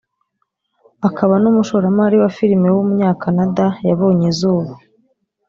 akaba n’umushoramari wa filime w’umunyakanada yabonye izuba